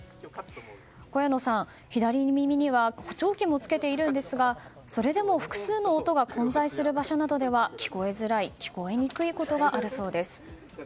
小谷野さん、左耳には補聴器もつけているんですがそれでも、複数の音が混在する場所などでは聞こえづらい聞こえにくいことがあるそうです。